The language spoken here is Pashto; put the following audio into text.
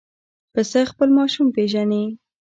پسه خپل ماشوم پېژني.